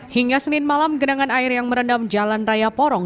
hingga senin malam genangan air yang merendam jalan raya porong